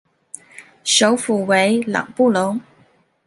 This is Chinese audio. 首府为朗布隆。